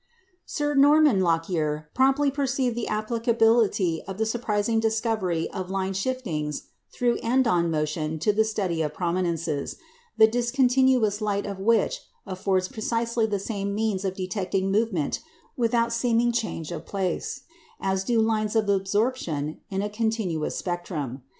" Sir Norman Lockyer promptly perceived the applicability of the surprising discovery of line shiftings through end on motion to the study of prominences, the discontinuous light of which affords precisely the same means of detecting movement without seeming change of place, as do lines of absorption in a continuous spectrum.